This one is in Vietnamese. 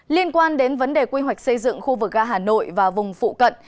liên quan đến vấn đề quy hoạch xây dựng khu vực ga hà nội và vùng phụ cận